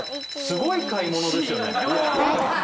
すごい買い物ですよねさあ